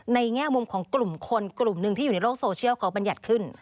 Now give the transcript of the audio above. แง่มุมของกลุ่มคนกลุ่มหนึ่งที่อยู่ในโลกโซเชียลเขาบรรยัติขึ้น